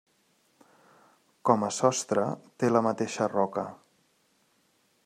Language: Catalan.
Com a sostre té la mateixa roca.